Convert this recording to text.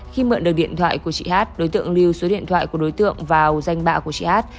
khi mượn được điện thoại của chị hát đối tượng lưu số điện thoại của đối tượng vào danh bạ của chị hát